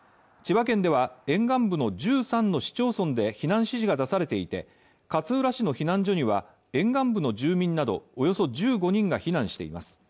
千葉県では、沿岸部の１３の市町村で避難指示が出されていて、勝浦市の避難所には沿岸部の住民などおよそ１５人が避難しています。